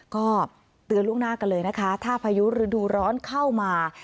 ก็เตือนล่วงหน้ากันเลยนะคะถ้าพายุฤดูร้อนเข้ามา